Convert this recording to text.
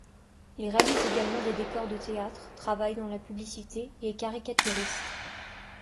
Il réalise également des décors de théâtre, travaille dans la publicité et est caricaturiste.